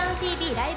ライブ！」